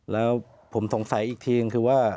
แล้วผมสงสัยอีกทีคือว่า